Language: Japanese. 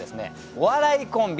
お笑いコンビ